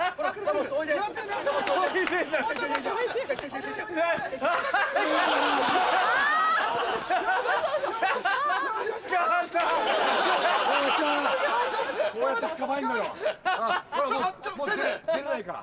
もう出れないから。